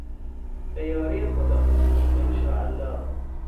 به یاری خدا، انشاالله